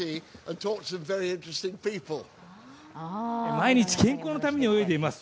毎日健康のために泳いでいます。